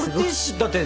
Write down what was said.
だって。